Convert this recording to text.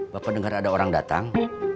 bapak dengar ada orang datang